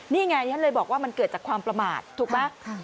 นี่ไงฉันเลยบอกว่ามันเกิดจากความประมาทถูกไหม